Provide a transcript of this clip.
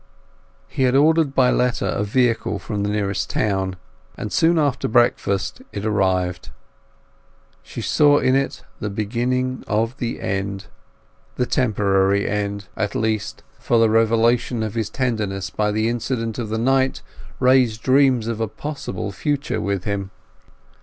He had ordered by letter a vehicle from the nearest town, and soon after breakfast it arrived. She saw in it the beginning of the end—the temporary end, at least, for the revelation of his tenderness by the incident of the night raised dreams of a possible future with him.